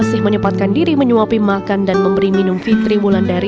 selasa pagi kembali masuk ke sekolah